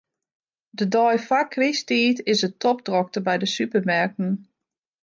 De dei foar krysttiid is it topdrokte by de supermerken.